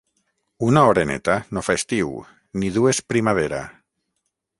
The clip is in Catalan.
Una oreneta no fa estiu, ni dues primavera